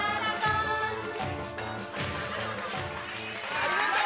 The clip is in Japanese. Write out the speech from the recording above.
ありがとう。